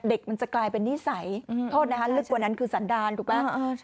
เด็กมันจะกลายเป็นนิสัยโทษนะคะลึกกว่านั้นคือสันดารถูกไหม